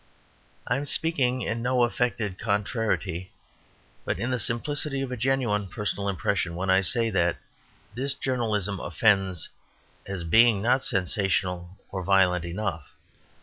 I am speaking in no affected contrariety, but in the simplicity of a genuine personal impression, when I say that this journalism offends as being not sensational or violent enough.